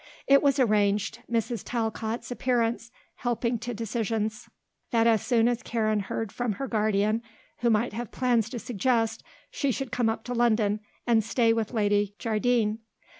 It was arranged, Mrs. Talcott's appearance helping to decisions, that as soon as Karen heard from her guardian, who might have plans to suggest, she should come up to London and stay with Lady Jardine.